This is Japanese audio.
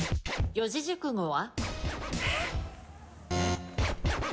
四字熟語は？